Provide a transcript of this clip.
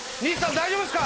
大丈夫っすか？